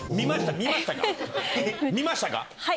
見ましたか？